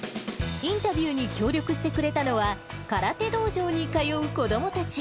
インタビューに協力してくれたのは、空手道場に通う子どもたち。